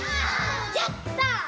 やった！